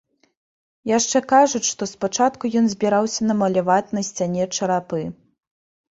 Яшчэ кажуць, што спачатку ён збіраўся намаляваць на сцяне чарапы.